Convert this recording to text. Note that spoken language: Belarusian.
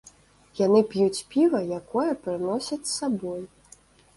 Яны п'юць піва, якое прыносяць з сабой.